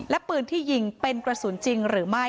และปืนที่ยิงเป็นกระสุนจริงหรือไม่